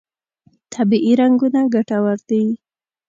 طبیعي رنګونه ګټور دي.